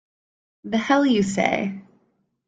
The hell you say!